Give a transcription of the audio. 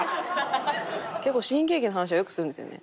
結構新喜劇の話はよくするんですよね。